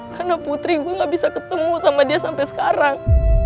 karena putri gue gak bisa ketemu sama dia sampai sekarang